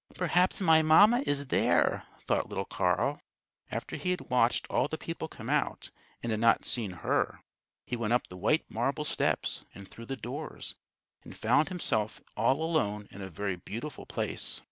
"Perhaps my mamma is there," thought little Carl. After he had watched all the people come out, and had not seen her, he went up the white marble steps and through the doors, and found himself all alone in a very beautiful place.